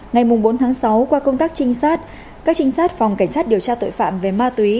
ngày bốn tháng sáu qua công tác trinh sát các trinh sát phòng cảnh sát điều tra tội phạm về ma túy